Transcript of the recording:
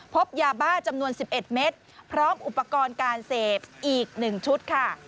พบยาบ้าจำนวน๑๑เม็ดพร้อมอุปกรณ์การเสพอีก๑ชุดค่ะ